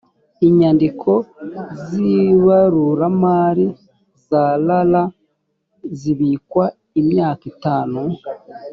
inyandiko z ibaruramari za rra zibikwa imyaka itanu